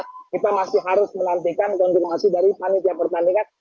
karena kita masih harus menantikan konfirmasi dari panitia pertandingan